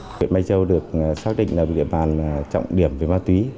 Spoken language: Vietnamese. huyện mai châu được xác định là địa bàn trọng điểm về ma túy